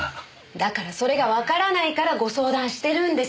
だからそれがわからないからご相談してるんです。